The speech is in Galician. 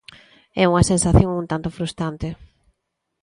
É unha sensación un tanto frustrante.